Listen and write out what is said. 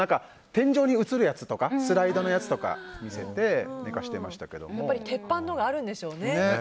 天井に映るやつとかスライドのやつとか見せて鉄板のがあるんでしょうね。